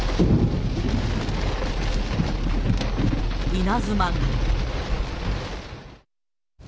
稲妻が。